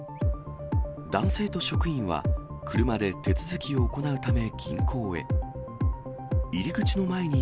男性と職員は、車で手続きを行うため、銀行へ。